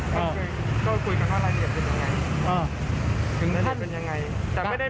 ตัวเคยก็คุยกันกันรายละเอียดเป็นอย่างไร